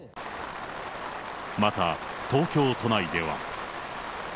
また、東京都内では。